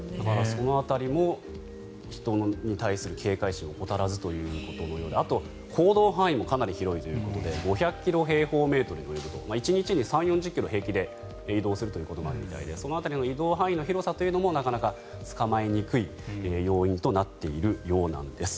その辺りも人に対する警戒心を怠らずということであと、行動範囲もかなり広いということで５００平方キロメートル１日に３０４０ｋｍ平気で移動するということでその辺りの移動範囲の広さも捕まえにくい要因となっているようです。